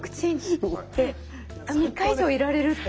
あっ３日以上いられるって。